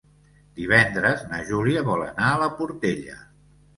Divendres na Júlia vol anar a la Portella.